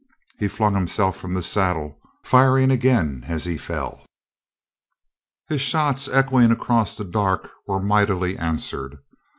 He flung himself from the saddle, firing again as he fell. His shots echoing across the dark were mightily answered.